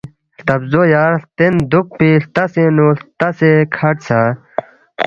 ہلتابزو یار ہلتین دوکپی ہلتسینگنو ہلتاسے کھڈ سا